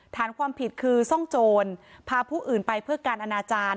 ฐานความผิดคือซ่องโจรพาผู้อื่นไปเพื่อการอนาจารย์